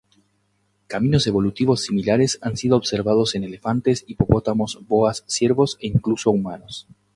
Caminos evolutivos similares han sido observados en elefantes, hipopótamos, boas, ciervos e incluso humanos.